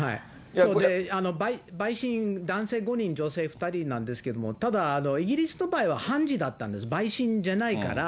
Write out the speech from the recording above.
そう、で、陪審、男性５人女性２人なんですけど、ただ、イギリスの場合は判事だったんです、陪審じゃないから。